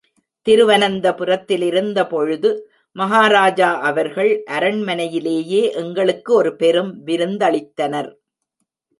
திருவனந்தபுரத்திலிருந்த பொழுது, மஹாராஜா அவர்கள் அரண்மனையிலேயே எங்களுக்கு ஒரு பெரும் விருந்தளித்தனர்.